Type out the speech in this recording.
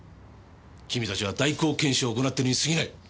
君たちは代行検視を行ってるに過ぎない。